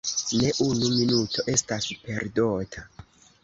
Ne unu minuto estas perdota.